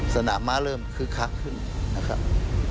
สนามม้าเริ่มคึกคักขึ้นนะครับ